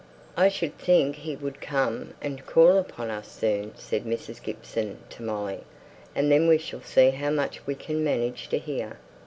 "I should think he would come and call upon us soon," said Mrs. Gibson to Molly, "and then we shall see how much we can manage to hear."